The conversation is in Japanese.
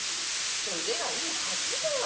じゃ腕がいいはずだ！